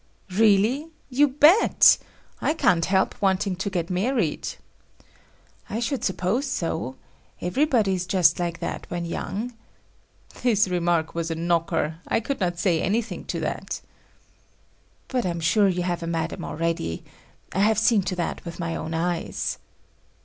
"Really? You bet! I can't help wanting to get married." "I should suppose so. Everybody is just like that when young." This remark was a knocker; I could not say anything to that. "But I'm sure you have a Madam already. I have seen to that with my own eyes."